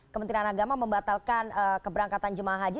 kementerian agama membatalkan keberangkatan jemaah haji